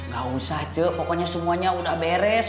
gak usah cuk pokoknya semuanya udah beres